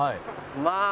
まあ。